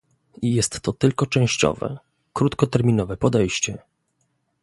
Jest to tylko częściowe, krótkoterminowe podejście